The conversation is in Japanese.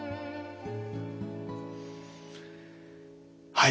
はい！